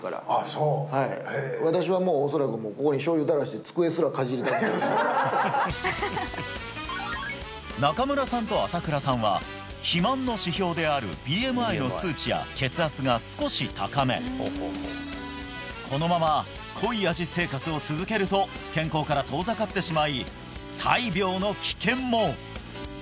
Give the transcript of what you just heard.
そう私はもう恐らくここに中村さんと麻倉さんは肥満の指標であるＢＭＩの数値や血圧が少し高めこのまま濃い味生活を続けると健康から遠ざかってしまい大病の危険も！